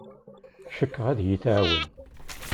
Cikkeɣ ad iyi-tɛawen.